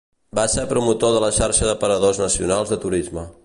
Va ser promotor de la xarxa de Paradors Nacionals de Turisme.